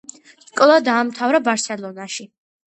სკოლა დაამთავრა ბარსელონაში.